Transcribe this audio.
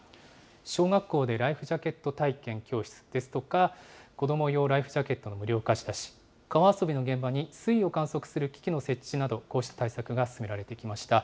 小学校でライフジャケット体験教室ですとか、子ども用ライフジャケットの無料貸し出し、川遊びの現場に水位の観測する機器の設置など、こうした対策が進められてきました。